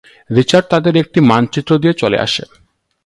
Richard তাদের একটি মানচিত্র দিয়ে চলে আসে।